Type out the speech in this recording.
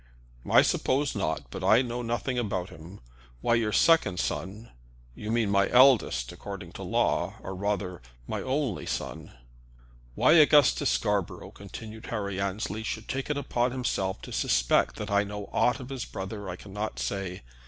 "I suppose not; but I know nothing about him. Why your second son " "You mean my eldest according to law, or rather my only son!" "Why Augustus Scarborough," continued Harry Annesley, "should take upon himself to suspect that I know aught of his brother I cannot say.